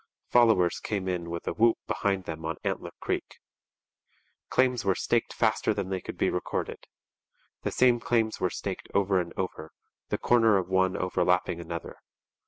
Followers came in with a whoop behind them on Antler Creek. Claims were staked faster than they could be recorded. The same claims were staked over and over, the corner of one overlapping another.